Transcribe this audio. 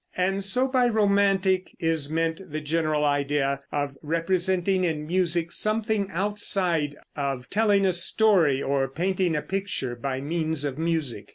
And so by romantic is meant the general idea of representing in music something outside, of telling a story or painting a picture by means of music.